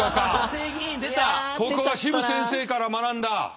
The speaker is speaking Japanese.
ここはシム先生から学んだ。